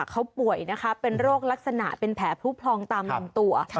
เขาป่วยนะคะเป็นโรคลักษณะเป็นแผลผู้พองตามลำตัว